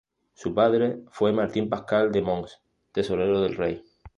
Su padre fue Martin Pascal de Mons, tesorero del rey.